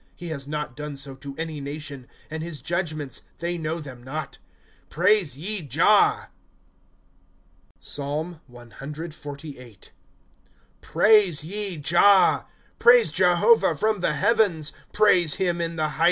*^ He has hot done so to any nation ; And his judgments, they know them not. Praise ye Jah. PSALM CXLVIII. ' Praise ye Jah. Praise Jehovah from the heavens ; Praise him in the heights.